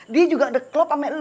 dia juga udah klop sama lo